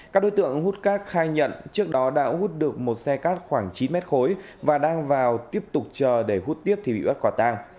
các đối tượng hút cát khai nhận trước đó đã hút được một xe cát khoảng chín mét khối và đang vào tiếp tục chờ để hút tiếp thì bị bắt quả tang